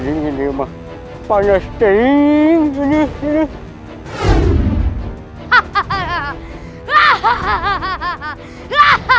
ini yang paling menarik